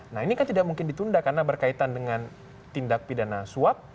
nah ini kan tidak mungkin ditunda karena berkaitan dengan tindak pidana suap